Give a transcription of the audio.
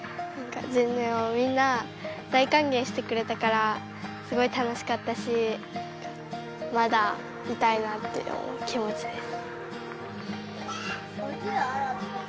みんな大かんげいしてくれたからすごい楽しかったしまだいたいなって思う気もちです。